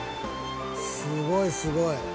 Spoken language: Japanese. すごいすごい。